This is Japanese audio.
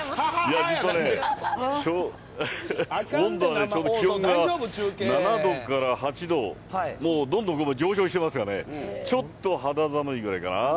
実はね、温度が、ちょっと気温が７度から８度、どんどん上昇してますがね、ちょっと肌寒いぐらいかな。